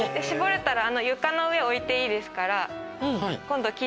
絞れたら床の上置いていいですから今度。